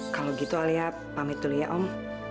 kalau gitu alia pamit dulu ya om